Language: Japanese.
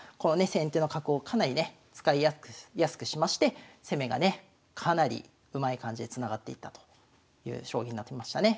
先手の角をかなりね使いやすくしまして攻めがねかなりうまい感じでつながっていったという将棋になってましたね。